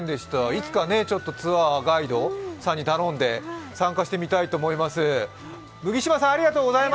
いつかツアーガイドさんに頼んで参加してみたいと思います。